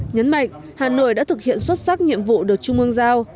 nhấn mạnh hà nội đã thực hiện xuất sắc nhiệm vụ được trung ương giao